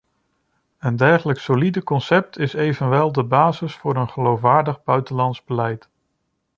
Een dergelijk solide concept is evenwel de basis voor een geloofwaardig buitenlands beleid.